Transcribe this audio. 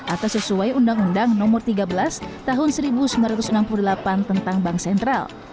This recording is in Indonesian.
atau sesuai undang undang nomor tiga belas tahun seribu sembilan ratus enam puluh delapan tentang bank sentral